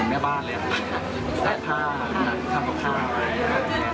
เขาใจใจทุกอย่างอีกครับ